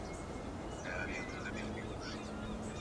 a anna makinda atashinda leo basi